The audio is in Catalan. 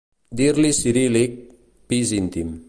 Dir-li ciríl·lic: pis íntim.